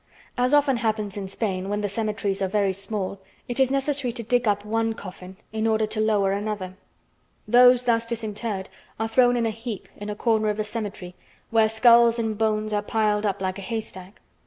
As often happens in Spain, when the cemeteries are very small, it is necessary to dig up one coffin in order to lower another. Those thus disinterred are thrown in a heap in a corner of the cemetery, where skulls and bones are piled up like a haystack.